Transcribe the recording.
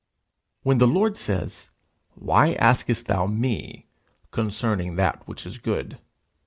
When the Lord says, 'Why askest thou me concerning that which is good?'